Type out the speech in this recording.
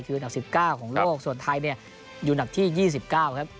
คืออันดับ๑๙ของโลกส่วนไทยเนี่ยอยู่อันดับที่๒๙ครับ